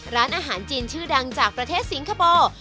ร้านอาหารจีนชื่อดังจากประเทศสิงคโปร์